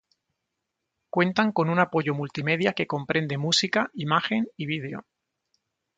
Cuentan con un apoyo multimedia que comprende música, imagen y video.